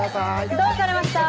どうされました？